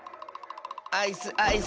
アイスアイス！